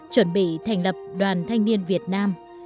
chuẩn bị thành lập đoàn thanh niên việt nam